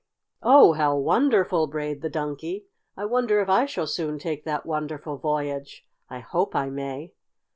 "Oh, how wonderful!" brayed the Donkey. "I wonder if I shall soon take that wonderful voyage. I hope I may!"